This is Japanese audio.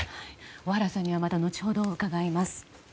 小原さんにはまた後ほど伺います。